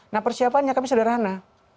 nah persiapannya kami sederhana